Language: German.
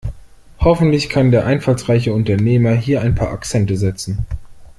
Hoffentlich kann der einfallsreiche Unternehmer hier ein paar Akzente setzen.